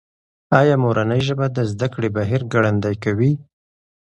ایا مورنۍ ژبه د زده کړې بهیر ګړندی کوي؟